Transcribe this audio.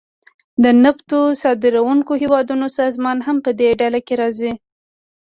د نفتو صادرونکو هیوادونو سازمان هم پدې ډله کې راځي